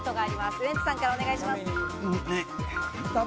ウエンツさんからお願いします。